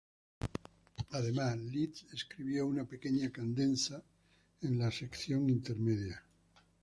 Además Liszt escribió una pequeña "cadenza" en la sección intermedia.